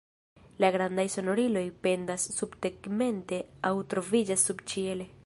La grandaj sonoriloj pendas subtegmente aŭ troviĝas subĉiele.